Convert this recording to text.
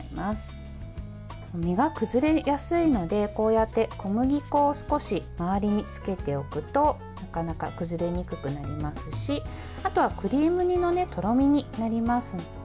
身が崩れやすいので小麦粉を少し回りにつけておくとなかなか崩れにくくなりますしあとはクリーム煮のとろみになります。